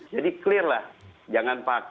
jadi saya tidak akan mengambil penghargaan yang banyak